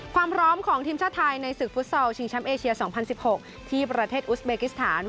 ความพร้อมของทีมชาติไทยในศึกฟุตซอลชิงแชมป์เอเชีย๒๐๑๖ที่ประเทศอุสเบกิสถาน